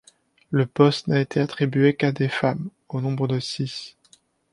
Le poste n’a été attribué qu’à des femmes, au nombre de six.